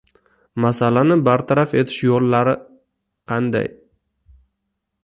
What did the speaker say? Masalani bartaraf etish yo'llarti qanday?